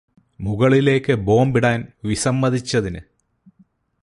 മുകളിലേക്ക് ബോംബിടാന് വിസമ്മതിച്ചതിന്